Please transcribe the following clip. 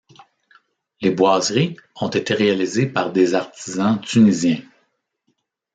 Les boiseries ont été réalisées par des artisans Tunisiens.